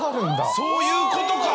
そういうことか！